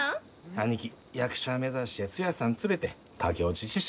兄貴役者目指してツヤさん連れて駆け落ちしてしもうたんや。